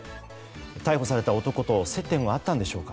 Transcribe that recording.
逮捕された男と接点はあったんでしょうか。